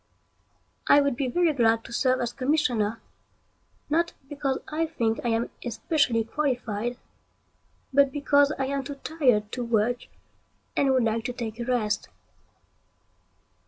I would be very glad to serve as commissioner, not because I think I am especially qualified, but because I am too tired to work and would like to take a rest.